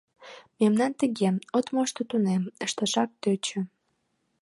Мемнан тыге: от мошто — тунем, ышташак тӧчӧ.